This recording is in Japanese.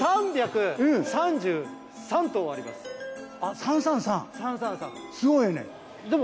３３３すごいね。